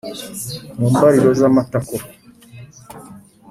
mu mbariro z'amatako